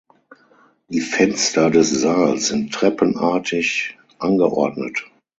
Die Fenster des Saals sind treppenartig angeordnet.